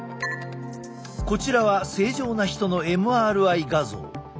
こちらは正常な人のＭＲＩ画像。